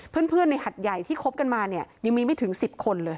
เพื่อนในหัดใหญ่ที่คบกันมาเนี่ยยังมีไม่ถึง๑๐คนเลย